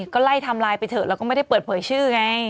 ก็ไล่ไทม์ไลน์ไปเถอะแล้วก็ไม่ได้เปิดเผยชื่อไง